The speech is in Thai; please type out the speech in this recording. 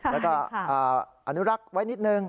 แล้วก็อนุรักษ์ไว้นิดนึง